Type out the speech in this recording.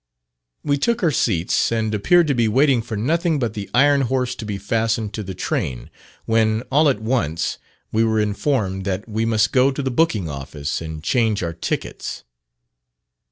We took our seats and appeared to be waiting for nothing but the iron horse to be fastened to the train, when all at once, we were informed that we must go to the booking office and change our tickets.